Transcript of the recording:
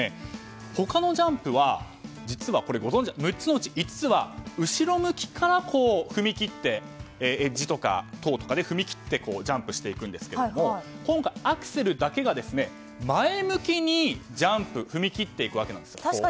他のジャンプは実は６つのうち５つは後ろ向きから踏み切ってエッジとかトウとかで踏み切ってジャンプしていくんですけど今回アクセルだけが前向きにジャンプを踏み切っていくわけなんです。